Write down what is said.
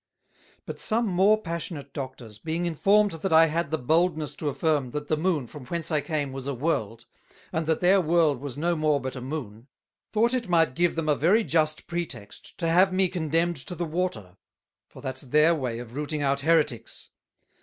But some more passionate Doctors, being informed that I had the boldness to affirm, That the Moon, from whence I came, was a World; and that their World was no more but a Moon, thought it might give them a very just pretext to have me condemned to the Water, for that's their way of rooting out Hereticks.